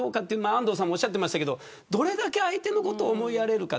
安藤さんもおっしゃっていましたけどどれだけ相手を思いやれるか。